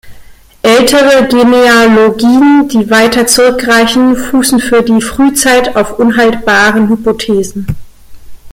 Ältere Genealogien, die weiter zurückreichen, fußen für die Frühzeit auf unhaltbaren Hypothesen.